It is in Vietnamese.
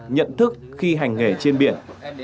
nhận thức khi hành nghề trên biển